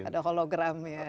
ada hologram ya